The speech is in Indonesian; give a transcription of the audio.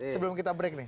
sebelum kita break nih